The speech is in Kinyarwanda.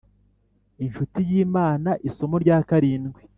Incuti yImana isomo rya karindwi